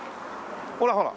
ほらほら。